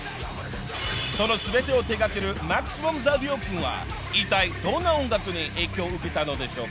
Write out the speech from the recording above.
［その全てを手掛けるマキシマムザ亮君はいったいどんな音楽に影響を受けたのでしょうか？］